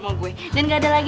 malih nih mah